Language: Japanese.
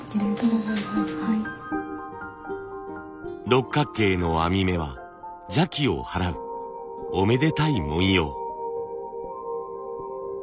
六角形の編み目は邪気を払うおめでたい文様。